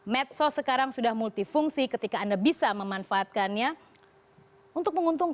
medsos sekarang sudah multifungsi ketika anda bisa memanfaatkannya untuk menguntungkan